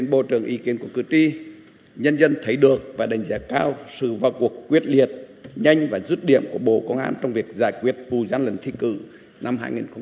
nhưng nhân dân thấy được và đánh giá cao sự vào cuộc quyết liệt nhanh và rút điểm của bộ công an trong việc giải quyết vụ gian đận thi cử năm hai nghìn một mươi tám